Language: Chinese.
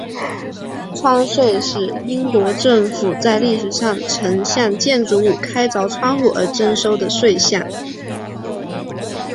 窗税是英国政府在历史上曾向建筑物开凿窗户而征收的税项。